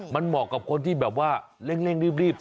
มันเหมาะกับคนที่แบบว่าเร่งรีบ